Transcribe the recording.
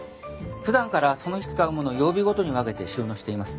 普段からその日使う物を曜日ごとに分けて収納しています。